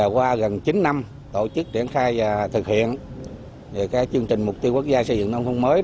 qua gần chín năm tổ chức triển khai và thực hiện chương trình mục tiêu quốc gia xây dựng nông thôn mới